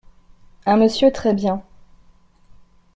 Un monsieur très bien.